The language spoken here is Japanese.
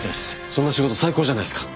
そんな仕事最高じゃないですか。